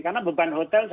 karena beban hotel